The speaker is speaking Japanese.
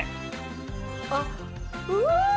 あっうわ！